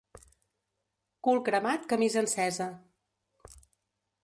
Cul cremat, camisa encesa.